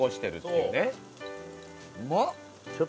うまっ！